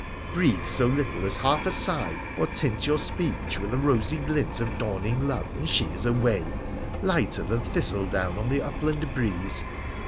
Breathe so little as half a sigh, or tint your speech with a rosy glint of dawning love, and she is away, lighter than thistledown on the upland breeze.